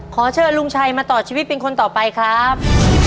ขอเชิญลุงชัยมาต่อชีวิตเป็นคนต่อไปครับ